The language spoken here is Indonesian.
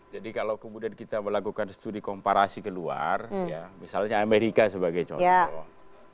jadi kalau kemudian kita melakukan studi komparasi keluar ya misalnya amerika sebagai contoh